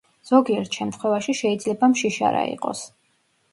ზოგიერთ შემთხვევაში შეიძლება მშიშარა იყოს.